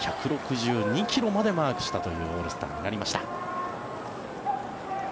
１６２ｋｍまでマークしたというオールスターになりました。